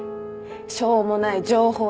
しょうもない情報ね。